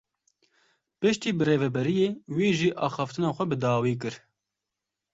Piştî birêveberiyê wî jî axaftina xwe bi dawî kir.